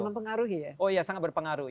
mempengaruhi ya oh iya sangat berpengaruh